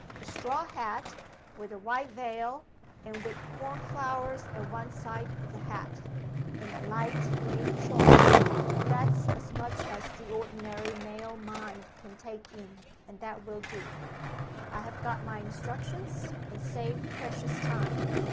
A straw hat, with a white veil, and with corn flowers at one side of the hat. And a light gray shawl. That's as much as the ordinary male mind can take in; and that will do. I have got my instructions, and saved precious time.